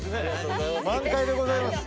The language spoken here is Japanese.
満開でございます。